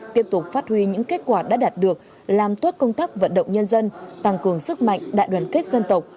tiếp tục phát huy những kết quả đã đạt được làm tốt công tác vận động nhân dân tăng cường sức mạnh đại đoàn kết dân tộc